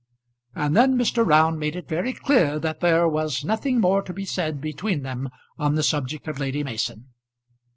And then Mr. Round made it very clear that there was nothing more to be said between them on the subject of Lady Mason.